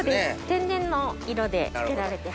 天然の色でつけられて。